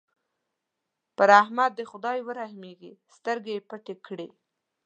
پر احمد دې خدای ورحمېږي؛ سترګې يې پټې کړې.